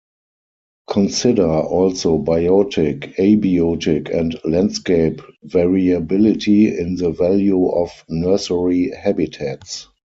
Consider also biotic, abiotic and landscape variability in the value of nursery habitats.